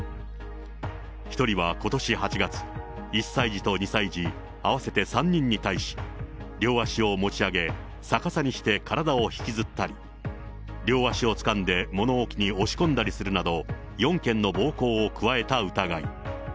１人はことし８月、１歳児と２歳児合わせて３人に対し、両足を持ち上げ、逆さにして体を引きずったり、両足をつかんで物置に押し込んだりするなど、４件の暴行を加えた疑い。